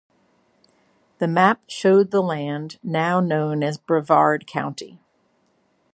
The map showed the land now known as Brevard County.